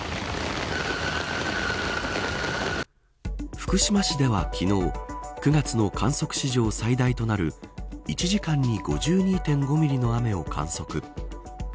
福島市では昨日９月の観測史上最大となる１時間に５２．５ミリの雨を観測。